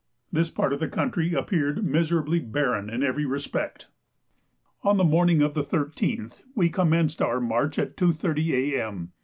This part of the country appeared miserably barren in every respect. On the morning of the 13th we commenced our march at 2.30 A.M.